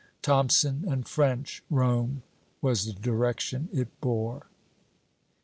"Thomson and French, Rome," was the direction it bore.